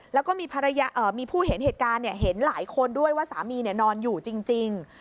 แล้วก็มีผู้เห็นเหตุการณ์เห็นหลายคนด้วยว่าสามีนอนอยู่จริง